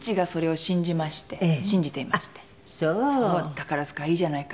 「“宝塚いいじゃないか。